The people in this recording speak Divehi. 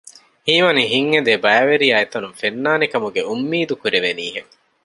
ހީވަނީ ހިތްއެދޭ ބައިވެރިޔާ އެތަނުން ފެންނާނެ ކަމުގެ އުއްމީދު ކުރެވެނީހެން